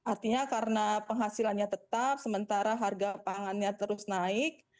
artinya karena penghasilannya tetap sementara harga pangannya terus naik